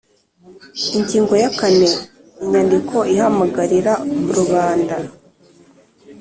Ingingo ya kane Inyandiko ihamagarira rubanda